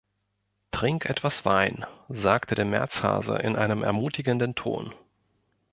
„Trink etwas Wein“, sagte der Märzhase in einem ermutigenden Ton.